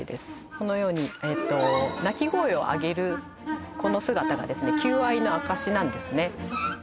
このように鳴き声をあげるこの姿がですね求愛の証しなんですね